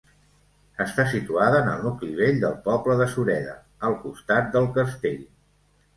Està situada en el nucli vell del poble de Sureda, al costat del castell.